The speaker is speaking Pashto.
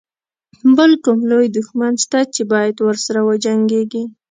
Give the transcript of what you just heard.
بل کوم لوی دښمن شته چې باید ورسره وجنګيږي.